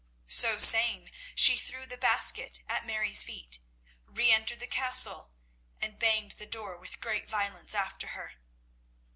So saying, she threw the basket at Mary's feet, re entered the Castle, and banged the door with great violence after her.